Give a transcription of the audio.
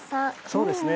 そうですね